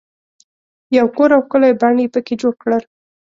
یو کور او ښکلی بڼ یې په کې جوړ کړل.